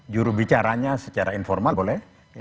juru bicaranya secara informal boleh